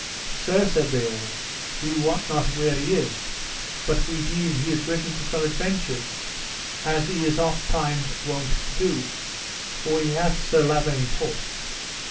Sir, said they all, we wot not where he is, but we deem he is ridden to some adventures, as he is ofttimes wont to do, for he hath Sir Lavaine's horse.